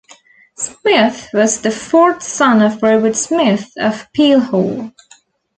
Smyth was the fourth son of Robert Smyth of Peel Hall.